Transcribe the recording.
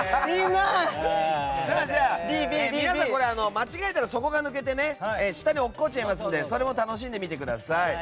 間違えたら底が抜けて下に落っこちるのでそれも楽しんでみてください。